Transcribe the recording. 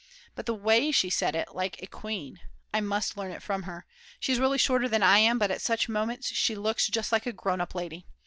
But the way she said it, like a queen! I must learn it from her. She is really shorter than I am, but at such moments she looks just like a grownup lady.